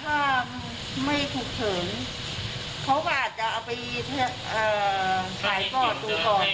ถ้าไม่ถูกเผินเขาก็อาจจะเอาไปถ่ายกล้อดดูก่อน